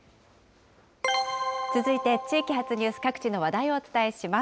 続いて、地域発ニュース、各地の話題をお伝えします。